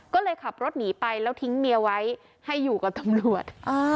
ก็เลยขับรถหนีไปแล้วทิ้งเมียไว้ให้อยู่กับตำรวจ